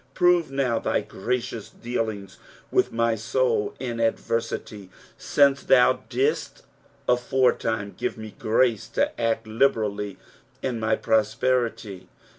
'^ Prove now thy gradous dealings with my soul in adversity, since thou didst afore time give me grace to act tioerally in my prosperity.